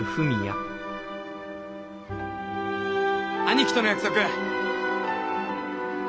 兄貴との約束。